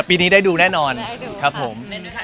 ไปกลัวเกรงไหมคะ